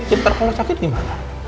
gitu terpala sakit gimana